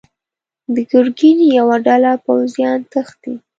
د ګرګين يوه ډله پوځيان تښتي.